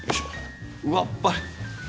うわっぱり。